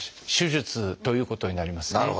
手術ということになりますね。